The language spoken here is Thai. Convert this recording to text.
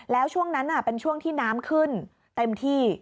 แล้วช่วงนั้นเป็นช่วงที่น้ำขึ้นเต็มที่